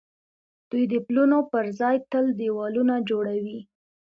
دوی د پلونو پر ځای تل دېوالونه جوړوي.